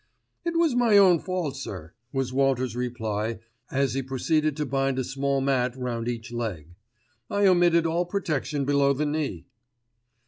"It was my own fault, sir," was Walters' reply as he proceeded to bind a small mat round each leg. "I omitted all protection below the knee."